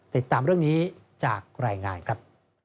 ติดตามเรื่องนี้จากรายงานครับ